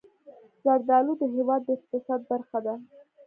زردالو د هېواد د اقتصاد برخه ده.